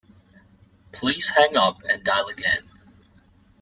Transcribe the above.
Please hang up and dial again.